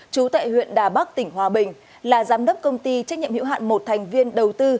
chú tại huyện đà bắc tỉnh hòa bình là giám đốc công ty trách nhiệm hữu hạn một thành viên đầu tư